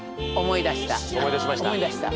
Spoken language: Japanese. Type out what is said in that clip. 思い出しました？